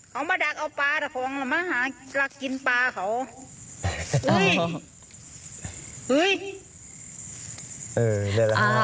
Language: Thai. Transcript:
เขามาดักเอาปลาของมาหากินปลาเขา